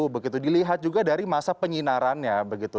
begitu dilihat juga dari masa penyinarannya begitu